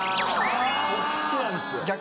そっちなんですよ